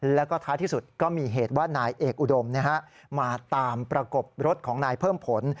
แล้วก็ท้ายที่สุดก็มีเหตุว่านายเอกอุดมมาตามประกบรถของนายเพิ่มผล